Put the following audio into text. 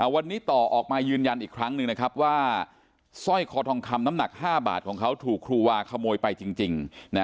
วันนี้ต่อออกมายืนยันอีกครั้งหนึ่งนะครับว่าสร้อยคอทองคำน้ำหนัก๕บาทของเขาถูกครูวาขโมยไปจริง